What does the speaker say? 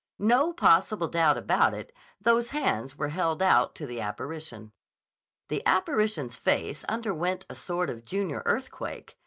No possible doubt about it; those hands were held out to the apparition. The apparition's face underwent a sort of junior earthquake.